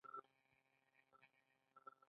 د لاسونو د سپینولو لپاره د څه شي اوبه وکاروم؟